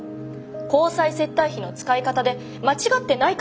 交際接待費の使い方で間違ってないかと。